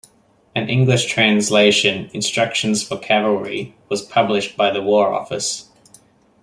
An English translation, "Instructions for Cavalry", was published by the War Office.